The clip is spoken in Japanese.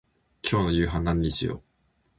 今日の夕飯何にしよう。